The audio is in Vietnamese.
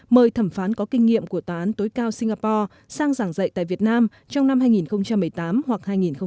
mời thẩm phán có kinh nghiệm của tòa án tối cao singapore sang giảng dạy tại việt nam trong năm hai nghìn một mươi tám hoặc hai nghìn một mươi chín